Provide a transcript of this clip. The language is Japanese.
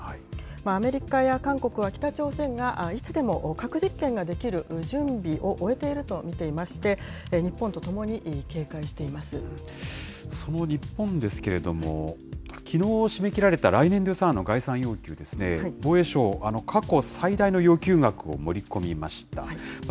アメリカや韓国は、北朝鮮がいつでも核実験ができる準備を終えていると見ていまして、その日本ですけれども、きのう締め切られた来年度予算案の概算要求ですね、防衛省、過去最大の要求額を盛り込みました。